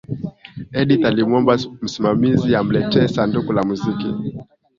edith alimuomba msimamizi amletee sanduku la muziki